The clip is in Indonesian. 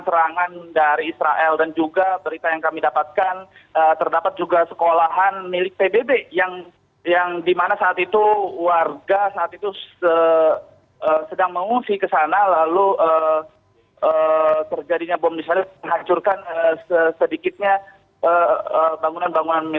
serangan dari israel dan juga berita yang kami dapatkan terdapat juga sekolahan milik pbb yang dimana saat itu warga saat itu sedang mengungsi ke sana lalu terjadinya bom di sana menghancurkan sedikitnya bangunan bangunan